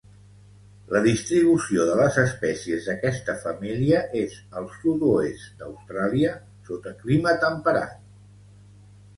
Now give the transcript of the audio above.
La distribució de les espècies d'aquesta família és al sud-oest d'Austràlia sota clima temperat.